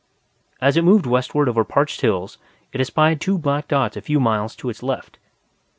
As it moved westward over parched hills, it espied two black dots a few miles to its left.